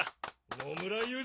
・野村雄三！